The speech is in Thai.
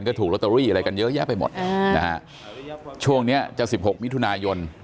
ก็ถูกลอตเตอรี่อะไรกันเยอะแยะไปหมดนะฮะช่วงเนี้ยจะสิบหกมิถุนายน